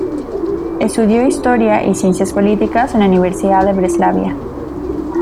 Estudió Historia y Ciencias Políticas en la Universidad de Breslavia.